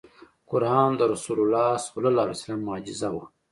قرآن د رسول الله ص معجزه وه .